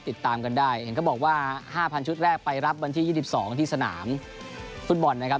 ติดตามกันได้เห็นเขาบอกว่า๕๐๐ชุดแรกไปรับวันที่๒๒ที่สนามฟุตบอลนะครับ